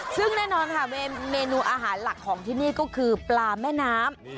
ซึ่งแน่นอนค่ะเมนูอาหารหลักของที่นี่ก็คือปลาแม่น้ำ